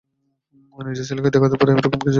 নিজের ছেলেকে দেখাতে পারি, এরকম ছিলো তোমার আব্বা।